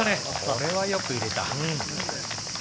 これはよく入れた。